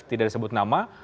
tidak disebut nama